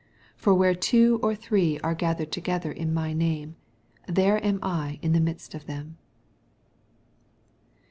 SO For where two or fhrec gathered together in my name, (.here am lin the midst of them.